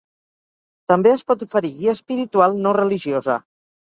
També es pot oferir guia espiritual no religiosa.